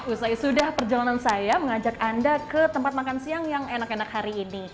usai sudah perjalanan saya mengajak anda ke tempat makan siang yang enak enak hari ini